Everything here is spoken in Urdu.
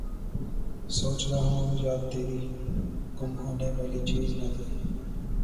سوچ رہا ہوں یاد تیری، گم ہونے والی چیز نہ تھی